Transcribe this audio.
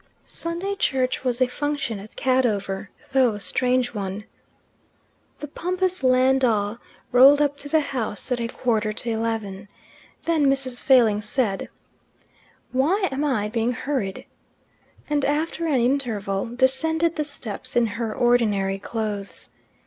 Sunday church was a function at Cadover, though a strange one. The pompous landau rolled up to the house at a quarter to eleven. Then Mrs. Failing said, "Why am I being hurried?" and after an interval descended the steps in her ordinary clothes.